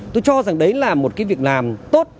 tôi cho rằng đấy là một việc làm tốt